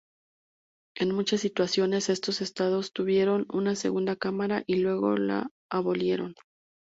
En muchas situaciones, estos Estados tuvieron una segunda cámara y luego la abolieron.